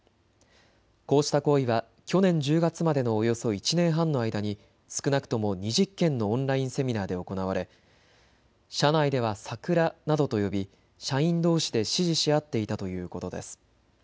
こうした行為は去年１０月までのおよそ１年半の間に少なくとも２０件のオンラインセミナーで行われ社内ではサクラなどと呼び社員どうしで指示し合っていたということです。